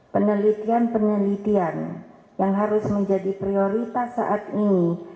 penelitian penelitian yang harus menjadi prioritas saat ini